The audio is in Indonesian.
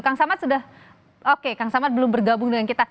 kang samad sudah oke kang samad belum bergabung dengan kita